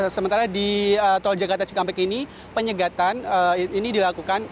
sementara di tol jakarta cikampek ini penyegatan ini dilakukan